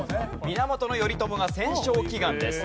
源頼朝が戦勝祈願です。